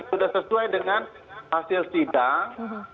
sudah sesuai dengan hasil sidang